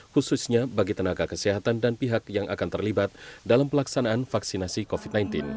khususnya bagi tenaga kesehatan dan pihak yang akan terlibat dalam pelaksanaan vaksinasi covid sembilan belas